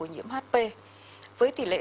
nhiễm hp với tỷ lệ